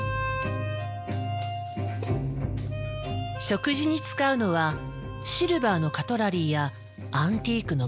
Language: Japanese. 食事に使うのはシルバーのカトラリーやアンティークのグラス。